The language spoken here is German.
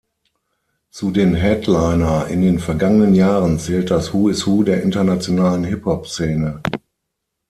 Zu den Headliner in den vergangenen Jahren zählt das Who-Is-Who der internationalen Hip-Hop-Szene.